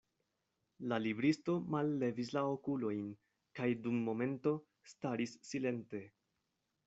La libristo mallevis la okulojn kaj dum momento staris silente.